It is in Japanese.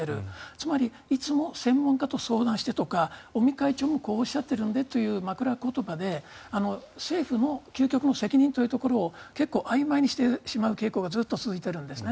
つまりいつも専門家と相談してとか尾身会長もこうおっしゃっているのでという枕詞で政府の究極の責任というところを結構あいまいにしてしまう傾向がずっと続いているんですね。